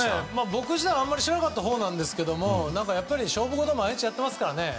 僕はあまりしなかったほうなんですけどやっぱり勝負事を毎日やっていますからね。